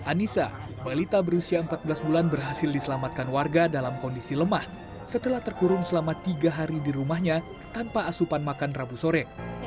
anissa balita berusia empat belas bulan berhasil diselamatkan warga dalam kondisi lemah setelah terkurung selama tiga hari di rumahnya tanpa asupan makan rabu sore